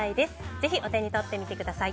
ぜひ、お手に取ってみてください。